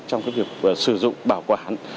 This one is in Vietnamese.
trong cái việc sử dụng bảo quản